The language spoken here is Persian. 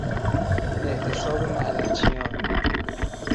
اعتصاب معدنچیان